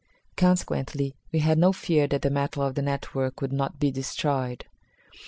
Consequently, we had no fear that the metal of the network would not be destroyed.